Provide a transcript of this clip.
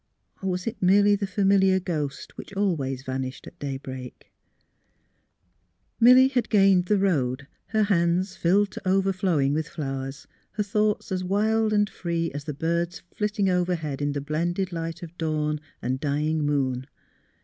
(Or was it merely the familiar ghost which always vanished at daybreak f) Milly had gained the road, her hands filled to overflowing with flowers, her thoughts as wild and free as the birds flitting overhead in the blended light of dawn and dying moon.